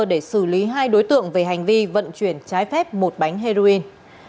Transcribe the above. để xử lý hai đối tượng về hành vi vận chuyển trái phép một bánh heroin